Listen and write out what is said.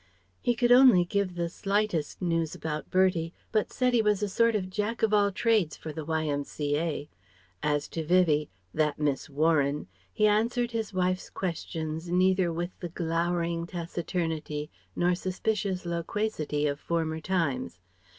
He could only give the slightest news about Bertie, but said he was a sort of jack of all trades for the Y.M.C.A. As to Vivie "that Miss Warren" he answered his wife's questions neither with the glowering taciturnity nor suspicious loquacity of former times.